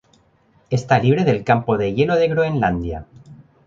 Está libre del campo de hielo de Groenlandia.